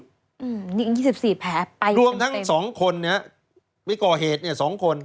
อืมยัง๒๔แผลไปเต็มรวมทั้ง๒คนนี้มีก่อเหตุ๒คน